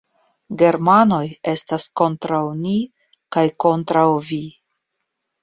Germanoj estas kontraŭ ni kaj kontraŭ vi.